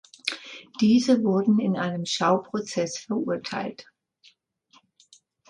Diese wurden in einem Schauprozess verurteilt.